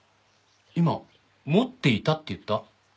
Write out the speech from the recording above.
今「持っていた」って言った？